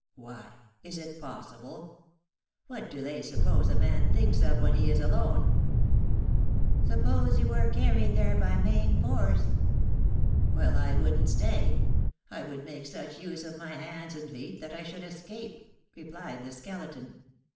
Why, is it possible? What do they suppose a man thinks of when he is alone?" "Suppose you were carried there by main force?" "Well, I wouldn't stay; I would make such use of my hands and feet that I should escape," replied the Skeleton.